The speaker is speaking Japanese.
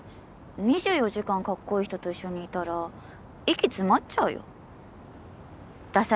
２４時間カッコいい人と一緒にいたら息詰まっちゃうよダサい